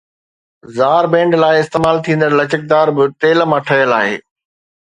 زار band لاءِ استعمال ٿيندڙ لچڪدار به تيل مان ٺهيل آهي